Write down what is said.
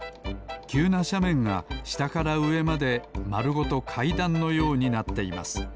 きゅうなしゃめんがしたからうえまでまるごとかいだんのようになっています